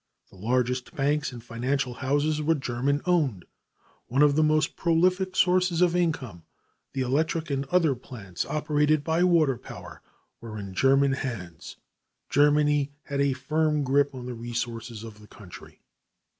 The largest banks and financial houses were German owned. One of the most prolific sources of income, the electric and other plants operated by water power, were in German hands. Germany had a firm grip on the resources of the country.